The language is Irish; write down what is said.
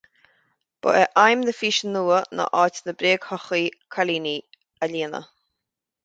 Ba é aidhm na físe nua ná áit na bréagshochaí coilíní a líonadh